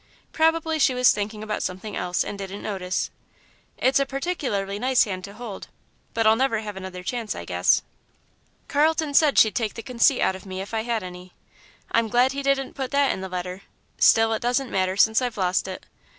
Probably she was thinking about something else, and didn't notice. It's a particularly nice hand to hold, but I'll never have another chance, I guess. "Carlton said she'd take the conceit out of me, if I had any. I'm glad he didn't put that in the letter, still it doesn't matter, since I've lost it.